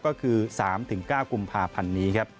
ก็คือ๓๙กุมภาพันธ์นี้ครับ